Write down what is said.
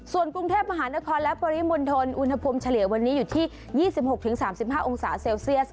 ส่วนกรุงเทพมหานครและปริมณฑลอุณหภูมิเฉลี่ยวันนี้อยู่ที่๒๖๓๕องศาเซลเซียส